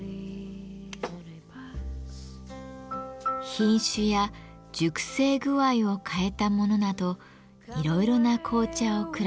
品種や熟成具合を変えたものなどいろいろな紅茶を比べて飲みます。